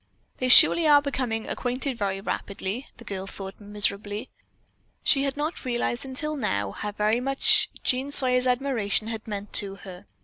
"They surely are becoming acquainted very rapidly," the girl thought miserably. She had not realized until now how very much Jean Sawyer's admiration had meant to her.